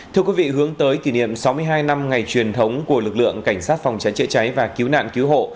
thưa quý vị hướng tới kỷ niệm sáu mươi hai năm ngày truyền thống của lực lượng cảnh sát phòng cháy chữa cháy và cứu nạn cứu hộ